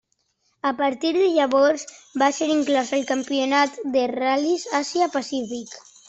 A partir de llavors, va ser inclòs al Campionat de Ral·lis Àsia Pacífic.